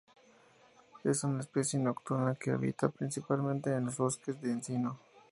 Es una especie nocturna que habita principalmente en los bosques de encino.